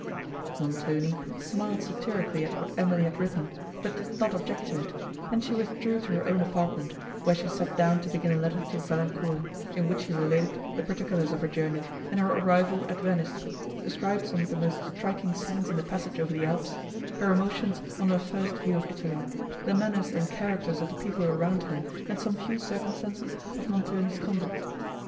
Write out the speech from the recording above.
Montoni smiled satirically at what Emily had written, but did not object to it, and she withdrew to her own apartment, where she sat down to begin a letter to Valancourt, in which she related the particulars of her journey, and her arrival at Venice, described some of the most striking scenes in the passage over the Alps; her emotions on her first view of Italy; the manners and characters of the people around her, and some few circumstances of Montoni's conduct.